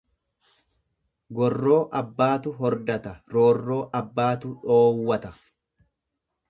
Gorroo abbaatu hordata roorroo abbaatu dhoowwata.